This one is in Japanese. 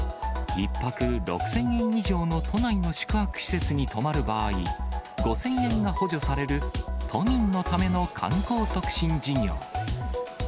１泊６０００円以上の都内の宿泊施設に泊まる場合、５０００円が補助される、都民のための観光促進事業。